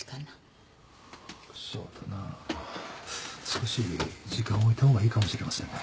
少し時間を置いた方がいいかもしれませんね。